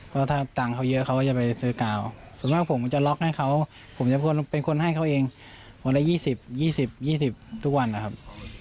เพราะถ้าตังค์เขาเยอะเขาจะไปซื้อกาวส่วนมากผมจะล็อคให้เขาผมจะเป็นคนให้เขาเองหมดละยี่สิบยี่สิบยี่สิบทุกวันนะครับ